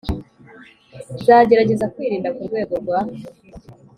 nzagerageza kwirinda kurwego rwa,